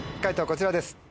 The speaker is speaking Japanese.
こちらです。